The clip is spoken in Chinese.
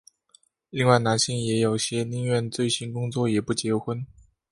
另外男性也有些宁愿醉心工作也不结婚。